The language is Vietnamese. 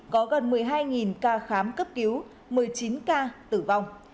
có gần một mươi hai ca khám cấp cứu một mươi chín ca tử vong